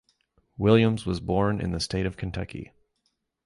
Williams was born in the state of Kentucky.